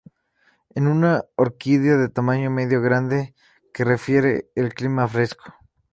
Es una orquídea de tamaño medio a grande que prefiere el clima fresco.